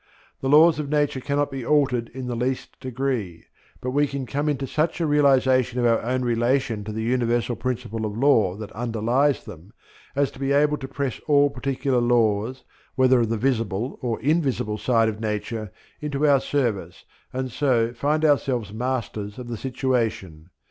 The laws of nature cannot be altered in the least degree; but we can come into such a realization of our own relation to the universal principle of Law that underlies them as to be able to press all particular laws, whether of the visible or invisible side of Nature, into our service and so find ourselves masters of the situation.